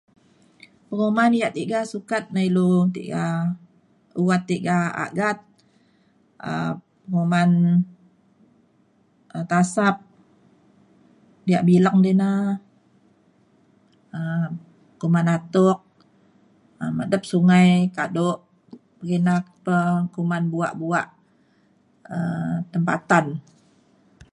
penguman ia' tiga sukat nak ilu tiga wat tiga agat um penguman um tasap yak bileng di na um kuman atuk um medep sungai kado pekina pa kuman buak buak um tempatan